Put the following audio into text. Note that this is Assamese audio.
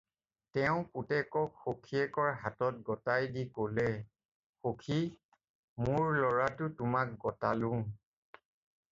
"তেওঁ পুতেকক সখিয়েকৰ হাতত গতাই দি ক'লে, "সখি, মোৰ ল'ৰাটো তোমাক গাতালোঁ।"